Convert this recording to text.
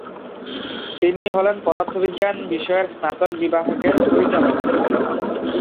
তিনি হলেন পদার্থবিজ্ঞান বিষয়ের স্নাতক বিভাগের পরিচালক।